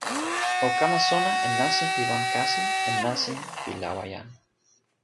o kama sona e nasin pi wan kasi e nasin pi lawa jan